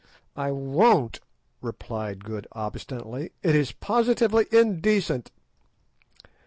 "I won't," replied Good obstinately; "it is positively indecent."